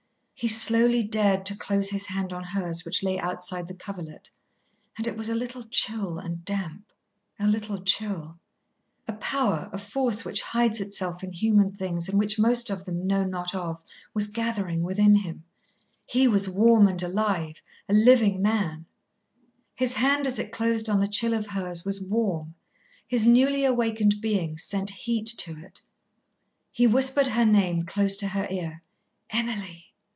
He slowly dared to close his hand on hers which lay outside the coverlet. And it was a little chill and damp, a little chill. A power, a force which hides itself in human things and which most of them know not of, was gathering within him. He was warm and alive, a living man; his hand as it closed on the chill of hers was warm; his newly awakened being sent heat to it. He whispered her name close to her ear. "Emily!"